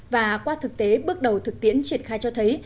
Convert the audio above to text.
và qua thực tế bước đầu thực tiễn triển khai cho thấy